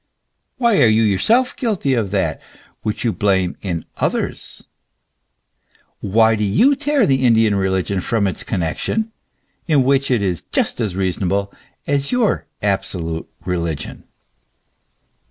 Why are you yourself guilty of that which you blame in others ? Why do you tear the Indian religion from its connexion, in which it is just as reasonable as your absolute religion